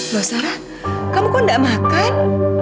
loh sarah kamu kok tidak makan